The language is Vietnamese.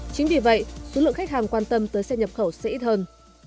chính vì vậy số lượng khách hàng quan tâm tới xe nhập khẩu sẽ ít hơn